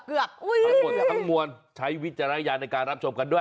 พระบททั้งมวลใช้วิจาระยาในการรับชมกันด้วย